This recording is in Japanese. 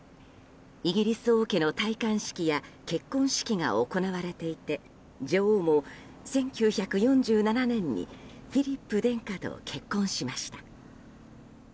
イギリス王家の戴冠式や結婚式が行われていて女王も１９４７年にフィリップ殿下と結婚しました。